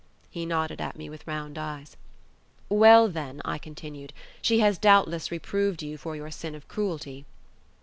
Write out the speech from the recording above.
He nodded at me with round eyes. "Well, then," I continued, "she has doubtless reproved you for your sin of cruelty?"